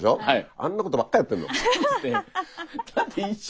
あんなことばっかやってんの。